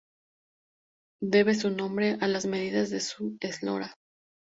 Debe su nombre a las medidas de su eslora.